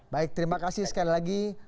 baik terima kasih sekali lagi